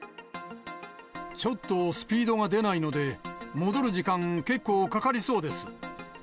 ちょっとスピードが出ないので、戻る時間、結構かかりそうです。